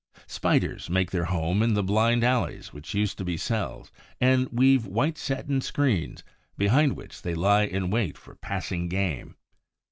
Spiders make their homes in the blind alleys which used to be cells, and weave white satin screens, behind which they lie in wait for passing game.